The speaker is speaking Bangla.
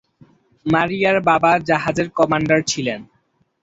মারিয়ার বাবা জাহাজের কমান্ডার ছিলেন।